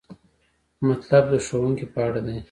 مطلب د ښوونکي په اړه دی.